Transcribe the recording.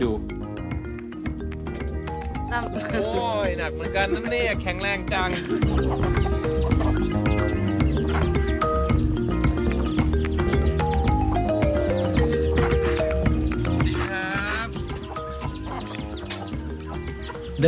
โอ้โห